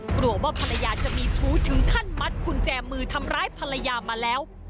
กลัวว่าภรรยาจะมีชู้ถึงขั้นมัดกุญแจมือทำร้ายภรรยามาแล้ว